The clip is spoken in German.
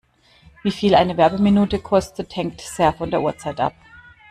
Wie viel eine Werbeminute kostet, hängt sehr von der Uhrzeit ab.